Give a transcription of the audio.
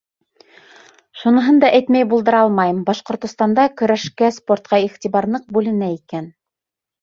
Шуныһын да әйтмәй булдыра алмайым: Башҡортостанда көрәшкә, спортҡа иғтибар ныҡ бүленә икән.